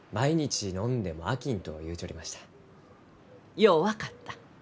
よう分かった。